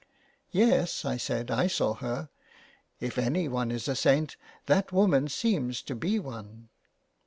'* Yes," I said, " I saw her. If any one is a saint, that woman seems to be one."